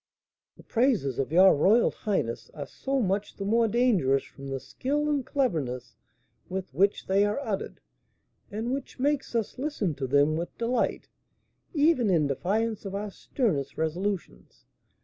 "The praises of your royal highness are so much the more dangerous from the skill and cleverness with which they are uttered, and which makes us listen to them with delight, even in defiance of our sternest resolutions.